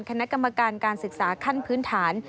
คณะกรรมการการศึกษาขั้นพื้นฐาน